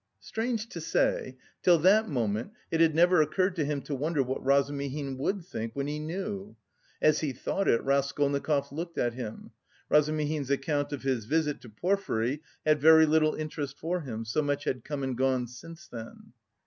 Strange to say, till that moment it had never occurred to him to wonder what Razumihin would think when he knew. As he thought it, Raskolnikov looked at him. Razumihin's account of his visit to Porfiry had very little interest for him, so much had come and gone since then.